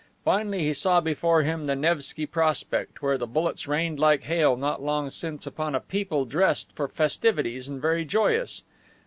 Finally he saw before him the Nevsky Prospect, where the bullets rained like hail not long since upon a people dressed for festivities and very joyous.